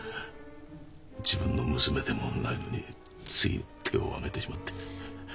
自分の娘でもないのについ手を上げてしまって。